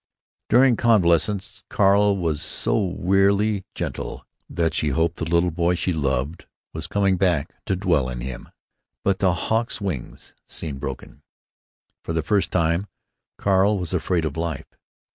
During convalescence Carl was so wearily gentle that she hoped the little boy she loved was coming back to dwell in him. But the Hawk's wings seemed broken. For the first time Carl was afraid of life.